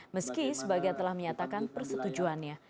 meski sebagian telah menyatakan persetujuannya